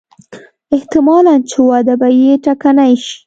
احتمالاً چې وده به یې ټکنۍ شي.